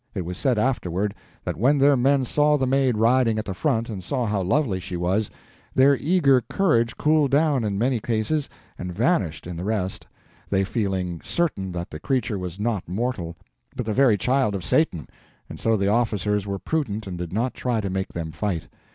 It was said afterward that when their men saw the Maid riding at the front and saw how lovely she was, their eager courage cooled down in many cases and vanished in the rest, they feeling certain that the creature was not mortal, but the very child of Satan, and so the officers were prudent and did not try to make them fight.